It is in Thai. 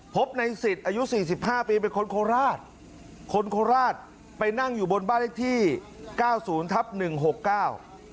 พบในสิทธิ์อายุสี่สิบห้าปีเป็นคนโคราชคนโคราชไปนั่งอยู่บนบ้านเลขที่เก้าศูนย์ทับหนึ่งหกเก้า